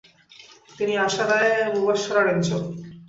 তিনি আশারায়ে মুবাশশারারএকজন।